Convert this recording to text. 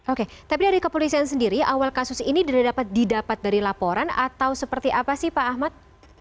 oke tapi dari kepolisian sendiri awal kasus ini didapat dari laporan atau seperti apa sih pak ahmad